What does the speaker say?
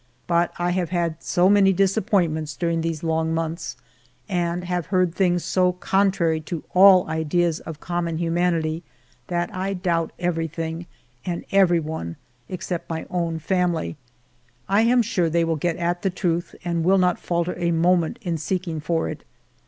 But I have had so many disappointments during these long months and have heard things so con trary to all ideas of common humanity that I doubt everything and everyone except my own family. I am sure they will get at the truth and will not falter a moment in seeking for it.